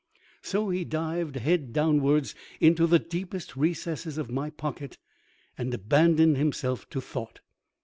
So he dived head downwards into the deepest recesses of my pocket and abandoned himself to thought.